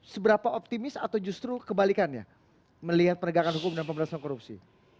seberapa optimis atau justru kebalikannya melihat penegakan hukum dan pemberantasan korupsi